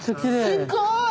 すごーい！